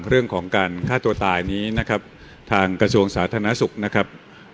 เรื่องของการฆ่าตัวตายนี้นะครับทางกระทรวงสาธารณสุขนะครับ